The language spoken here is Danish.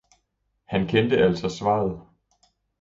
Han kendte altså svaret